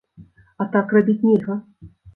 А так рабіць нельга.